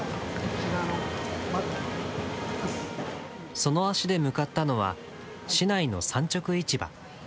その足で向かったのは市内の産直市場。